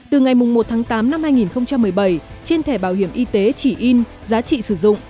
từ ngày một tháng tám năm hai nghìn một mươi bảy trên thẻ bảo hiểm y tế chỉ in giá trị sử dụng